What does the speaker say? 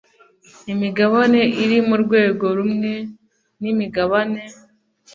migabane iri mu rwego rumwe n imigabane